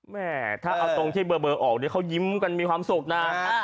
แม่ถ้าเอาตรงที่เบอร์ออกเนี่ยเขายิ้มกันมีความสุขนะ